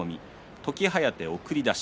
時疾風、送り出し。